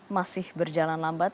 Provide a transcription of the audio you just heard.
masih berjalan lambat